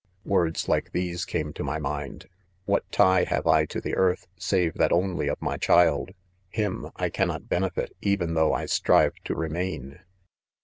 " i Words like these came to my. mind: —■ what tie have I to the earth, save that only of my child 1 — him I cannot benefit, even though I strive to remain.